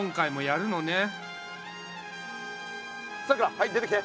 はい出てきて。